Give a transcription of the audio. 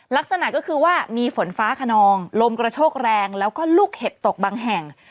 ลักษณะก็คือว่ามีฝนฟ้าขนองลมกระโชกแรงแล้วก็ลูกเห็บตกบางแห่ง